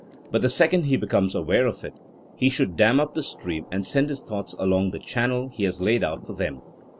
But the second he becomes aware of it he should dam up the stream and send his thoughts along the channel he has laid out for them.